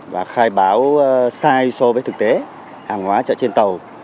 và khai báo sai so với thực tế hàng hóa chợ trên tàu